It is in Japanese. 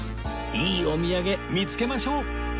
いいお土産見付けましょう！